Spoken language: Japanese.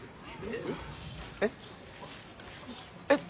えっ？えっ？